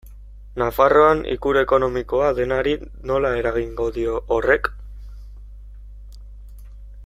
Nafarroan ikur ekonomikoa denari nola eragingo dio horrek?